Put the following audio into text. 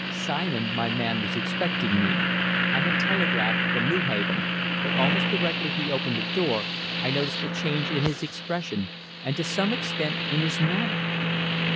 Simon, my man, was expecting me I had telegraphed from Newhaven but almost directly he opened the door I noticed a change in his expression, and to some extent in his manner.